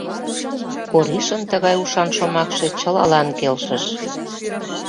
Коришын тыгай ушан шомакше чылалан келшыш.